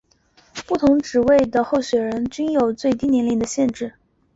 不同的职位对候选人均有最低年龄的限制。